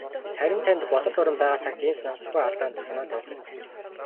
Харин танд "Болор дуран" байгаа цагт ийм санамсаргүй алдаанд санаа зовох хэрэггүй.